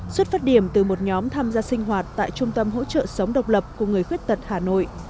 xuất phát điểm từ một nhóm tham gia sinh hoạt tại trung tâm hỗ trợ sống độc lập của người khuất tật